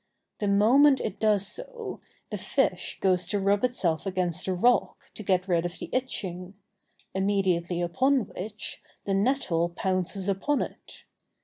The moment it does so, the fish goes to rub itself against a rock, to get rid of the itching; immediately upon which, the nettle pounces upon it.